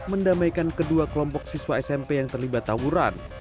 mendamaikan kedua kelompok siswa smp yang terlibat tawuran